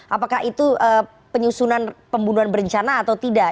apakah itu penyusunan pembunuhan berencana atau tidak